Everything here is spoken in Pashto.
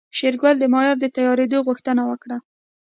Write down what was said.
شېرګل د ماريا د تيارېدو غوښتنه وکړه.